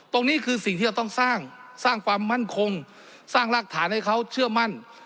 ตรงนี้คือสิ่งที่เราต้องสร้างสร้างความมั่นคงสร้างรากฐานให้เขาเชื่อมั่น